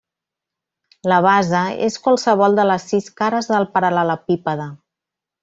La base és qualsevol de les sis cares del paral·lelepípede.